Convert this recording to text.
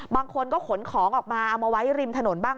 บางคนก็ขนของออกมาเอามาไว้ริมถนนบ้าง